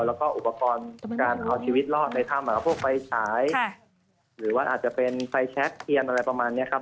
แล้วก็อุปกรณ์การเอาชีวิตรอดในถ้ำพวกไฟฉายหรือว่าอาจจะเป็นไฟแชคเทียนอะไรประมาณนี้ครับ